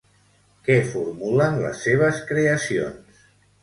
Què formulen les seves creacions?